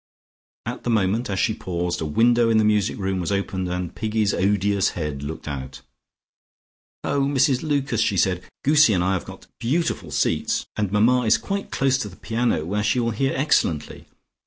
At the moment as she paused, a window in the music room was opened, and Piggy's odious head looked out. "Oh, Mrs Lucas," she said. "Goosie and I have got beautiful seats, and Mamma is quite close to the piano where she will hear excellently.